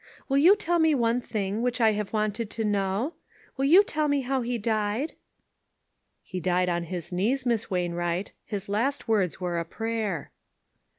Will you tell me one thing which I have wanted to know ? Will you tell me how he died ?"" He died on his knees, Miss Wainwright. His last words were a prayer."